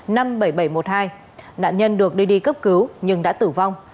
nạn nhân được đưa đi cấp cứu nhưng đã tử vong